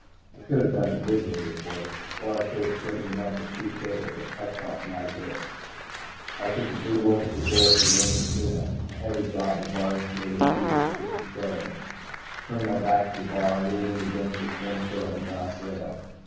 I could have done it visually, of course, or I could have straightened them up with TK, but touch helps my grip. I took a good look at the door to the main casino, a heavy job of varnished native cedar. Just to show him, I turned my back on the bar, leaning against it with one foot on the brass rail.